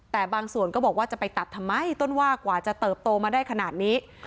แต่บางส่วนก็บอกว่าจะไปตัดทำไมต้นว่ากว่าจะเติบโตมาได้ขนาดนี้